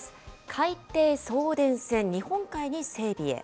海底送電線、日本海に整備へ。